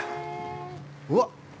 うわっ！